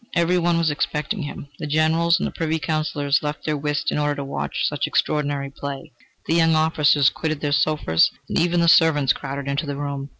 Every one was expecting him. The generals and Privy Counsellors left their whist in order to watch such extraordinary play. The young officers quitted their sofas, and even the servants crowded into the room.